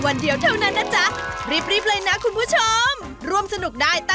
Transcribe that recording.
๒กัญญาโยน๒๕๖๖บาท